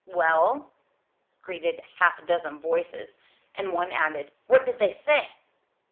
"Well?" greeted half a dozen voices; and one added: "What did they say?"